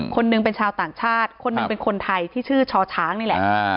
คนหนึ่งเป็นชาวต่างชาติคนหนึ่งเป็นคนไทยที่ชื่อช่อช้างนี่แหละ